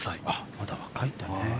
まだ若いんだね。